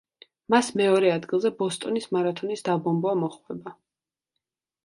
მას მეორე ადგილზე ბოსტონის მარათონის დაბომბვა მოჰყვება.